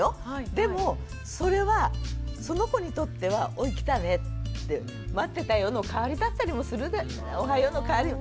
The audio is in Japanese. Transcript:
でもそれはその子にとっては「おい来たね待ってたよ」の代わりだったりもする「おはよう」の代わりも。